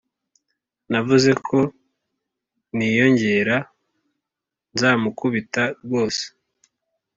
Navuze ko niyongera nzamukubita rwose